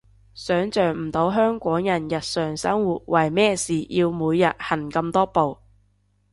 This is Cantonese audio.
想像唔到香港人日常生活為咩事要每日行咁多步